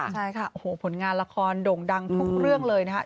ใช่ค่ะผลงานละครโด่งดังทุกเรื่องเลยนะคะ